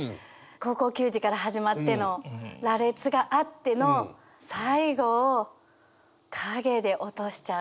高校球児から始まっての羅列があっての最後を「影」で落としちゃうっていうところが。